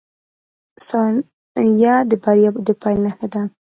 • ثانیه د بریا د پیل نښه ده.